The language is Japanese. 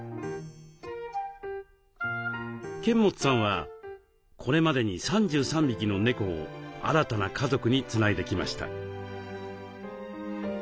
剱持さんはこれまでに３３匹の猫を新たな家族につないできました。